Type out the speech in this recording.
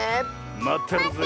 まってるぜえ。